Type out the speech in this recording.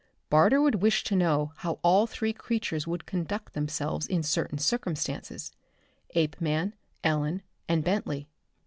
Barter would wish to know how all three creatures would conduct themselves in certain circumstances Apeman, Ellen and Bentley.